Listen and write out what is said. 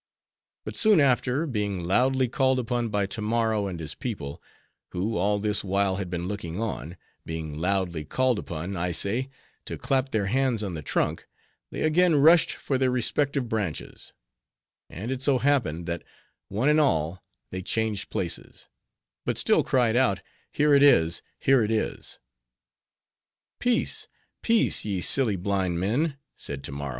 But soon after, being loudly called upon by Tammaro and his people; who all this while had been looking on; being loudly called upon, I say, to clap their hands on the trunk, they again rushed for their respective branches; and it so happened, that, one and all, they changed places; but still cried out, 'Here it is; here it is!' 'Peace! peace! ye silly blind men,' said Tammaro.